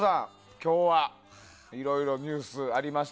今日はいろいろニュースありました。